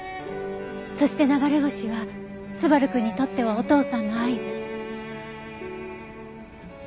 そして流れ星は昴くんにとってはお父さんの合図。